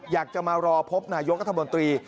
อยากจะมารอพบนายกัธมนตรี